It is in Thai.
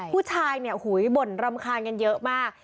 ผู้ชายเนี่ยบ่นรำคาญกันเยอะมาก